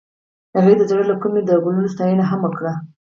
هغې د زړه له کومې د ګلونه ستاینه هم وکړه.